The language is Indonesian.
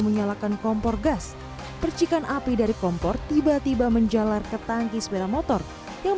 menyalakan kompor gas percikan api dari kompor tiba tiba menjalar ke tangki sepeda motor yang